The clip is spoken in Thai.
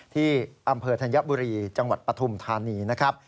ที่อำเภอธัญบุรีจังหวัดปฐุมธานีนะครับ